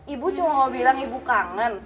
ibu cuma mau bilang ibu kangen